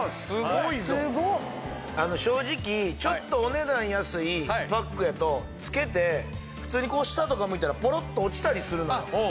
正直ちょっとお値段安いパックやとつけて普通にこう下とか向いたらポロッと落ちたりするのよ。